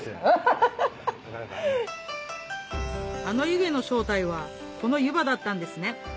あの湯気の正体はこの湯波だったんですね